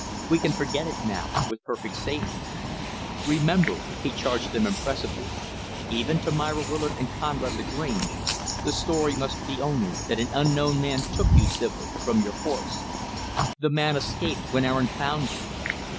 We can forget it, now, with perfect safety. Remember" he charged them impressively "even to Myra Willard and Conrad Lagrange, the story must be only that an unknown man took you, Sibyl, from your horse. The man escaped, when Aaron found you.